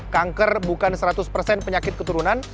kanker bukan seratus persen penyakit keturunan